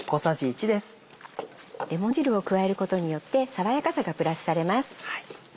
レモン汁を加えることによって爽やかさがプラスされます。